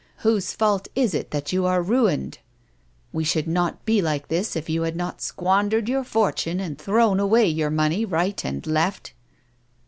Whose fault is it that you are ruined ? We should not be like this if you had not squandered your fortune and thrown away your money right and left."